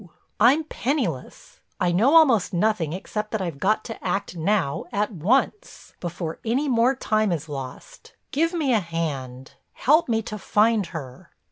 I'm penniless, I know almost nothing except that I've got to act now, at once, before any more time is lost. Give me a hand, help me to find her."